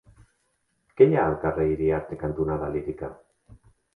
Què hi ha al carrer Iriarte cantonada Lírica?